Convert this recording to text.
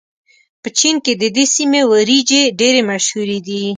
په چين کې د دې سيمې وريجې ډېرې مشهورې دي.